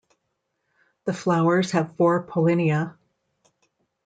The flowers have four pollinia.